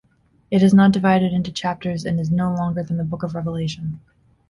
It is not divided into chapters and is longer than the "Book of Revelation".